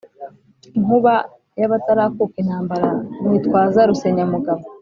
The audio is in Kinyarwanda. Inkuba y'abatarakuka intambara, nitwaza Rusenyamugabo